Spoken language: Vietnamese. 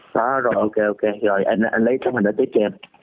đó rồi ok ok rồi anh lấy tấm hình đó tiếp cho em